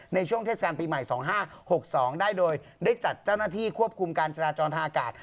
เทศกาลปีใหม่๒๕๖๒ได้โดยได้จัดเจ้าหน้าที่ควบคุมการจราจรทางอากาศ